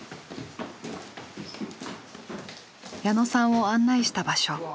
矢野さんを案内した場所。